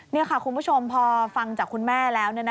นี่ค่ะคุณผู้ชมพอฟังจากคุณแม่แล้ว